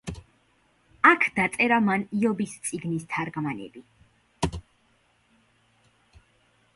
აქ დაწერა მან „იობის წიგნის თარგმანები“.